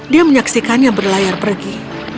dia menyaksikannya berlayar pergi